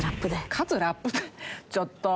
「かつラップ」ってちょっと。